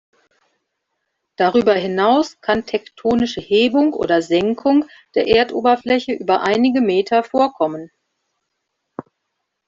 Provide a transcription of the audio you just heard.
Darüber hinaus kann tektonische Hebung oder Senkung der Erdoberfläche über einige Meter vorkommen.